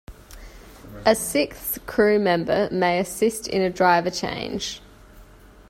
A sixth crewmember may assist in a driver change.